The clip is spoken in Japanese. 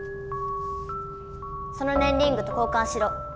そのねんリングと交かんしろ。